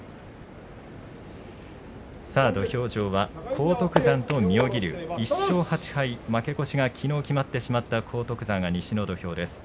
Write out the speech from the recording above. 土俵上は荒篤山と妙義龍１勝８敗、負け越しがきのう決まってしまった荒篤山が西の土俵です。